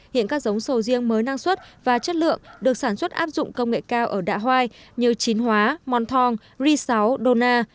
hiện các giống sầu riêng mới năng suất và chất lượng được sản xuất áp dụng công nghệ cao ở đạo hoài như chín hóa montong ri sáu dona